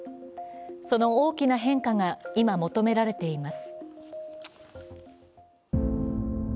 その大きな変化が今、求められています。